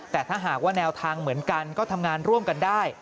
แต่ถ้าหากว่าแนวทางเหมือนกันก็ทำงานร่วมกันได้